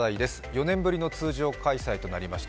４年ぶりの通常開催となりました